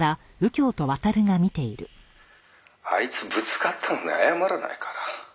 「あいつぶつかったのに謝らないから」